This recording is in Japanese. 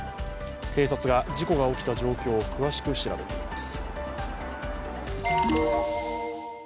警察が事故が起きた状況を詳しく調べています。